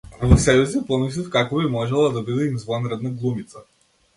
Во себе си помислив како би можела да биде извонредна глумица.